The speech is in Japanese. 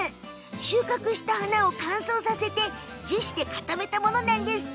収穫した花を乾燥させて樹脂で固めたものなんですって。